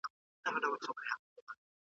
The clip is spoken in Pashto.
سپورت باید د درد اصلي درملنه وګڼل شي.